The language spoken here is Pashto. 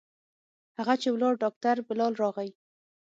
هغه چې ولاړ ډاکتر بلال راغى.